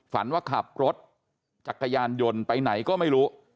ฝันว่าขับรถจักรยานยนต์ไปไหนก็ไม่รู้